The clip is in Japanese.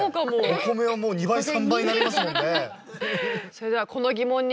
お米はもう２倍３倍になりますもんね。